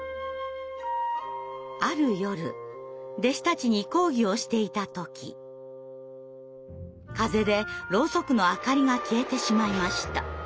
ある夜弟子たちに講義をしていた時風でろうそくの明かりが消えてしまいました。